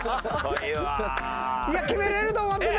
いや決めれると思ってた！